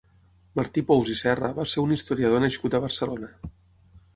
Martí Pous i Serra va ser un historiador nascut a Barcelona.